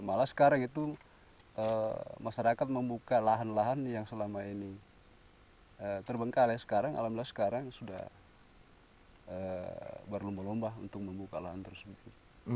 malah sekarang itu masyarakat membuka lahan lahan yang selama ini terbengkalai sekarang alhamdulillah sekarang sudah berlomba lomba untuk membuka lahan tersebut